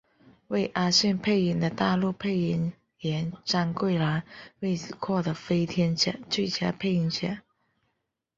为阿信配音的大陆配音员张桂兰为此获得飞天奖最佳配音奖。